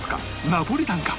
ナポリタンか？